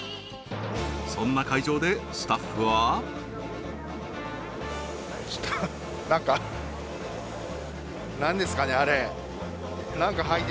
そんな会場でスタッフはきた何かうん？